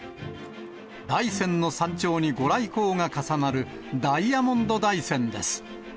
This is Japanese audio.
大山の山頂に御来光が重なる、ダイヤモンド大山です。